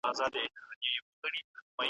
شعر له موزونو او منظومو کلماتو څخه جوړ کلام وي.